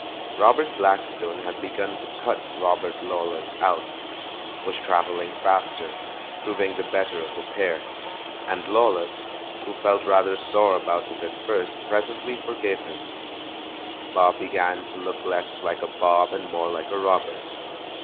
Robert Blackstone had begun to cut "Robert Lawless" out — was travelling faster, proving the better of the pair. And "Lawless," who felt THE CALL FROM THE PAST 38T rather sore about it at first, presently forgave him. Bob began to look less like a Bob and more hke a Robert.